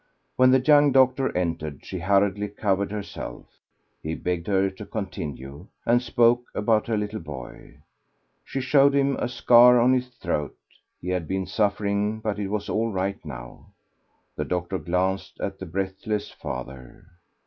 When the young doctor entered she hurriedly covered herself; he begged her to continue, and spoke about her little boy. She showed him a scar on his throat. He had been suffering, but it was all right now. The doctor glanced at the breathless father.